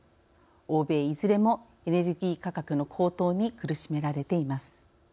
欧米いずれもエネルギー価格の高騰に苦しめられています。